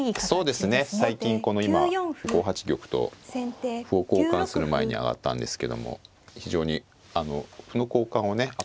そうですね最近この今５八玉と歩を交換する前に上がったんですけども非常にあの歩の交換をね